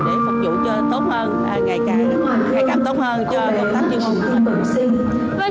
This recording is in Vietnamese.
để phục vụ cho tốt hơn ngày càng tốt hơn cho công tác chương trình